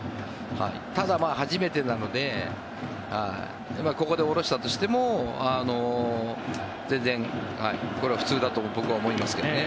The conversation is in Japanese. ただ、初めてなのでここで降ろしたとしても全然、これは普通だと僕は思いますけどね。